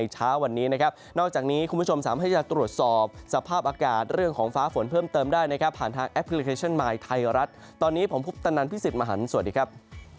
สามารถเรื่องของฟ้าฝนเพิ่มเติมได้นะครับผ่านทางแอปพลิเคชันมายน์ไทยรัฐตอนนี้ผมภุตนันพิสิทธิ์มหันฯสวัสดีครับ